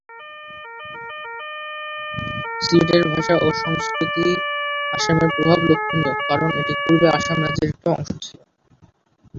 সিলেটের ভাষা ও সংস্কৃতিতে আসামের প্রভাব লক্ষণীয় কারণ এটি পূর্বে আসাম রাজ্যের একটি অংশ ছিল।